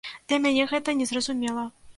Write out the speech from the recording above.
Для мяне гэта не зразумела.